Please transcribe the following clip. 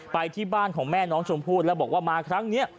ไปที่บ้านของแม่น้องชมพู่แล้วบอกว่ามาครั้งนี้